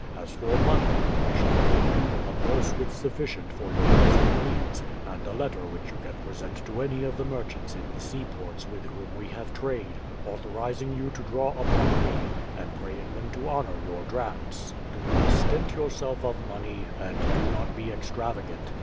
As for money, I shall give you a purse with sufficient for your present needs, and a letter which you can present to any of the merchants in the seaports with whom we have trade, authorizing you to draw upon me, and praying them to honour your drafts. Do not stint yourself of money, and do not be extravagant.